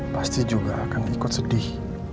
pasti juga akan ikut sedih